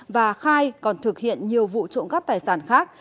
và khai còn thực hiện nhiều vụ trộm cắp tài sản khác